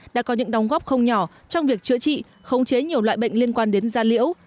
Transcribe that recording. đã có những đóng góp không nhỏ trong việc chữa trị khống chế nhiều loại bệnh liên quan đến da liễu